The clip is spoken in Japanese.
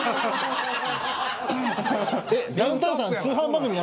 ダウンタウンさん。